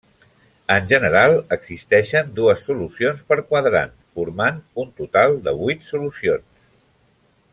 En general, existeixen dues solucions per quadrant, formant un total de vuit solucions.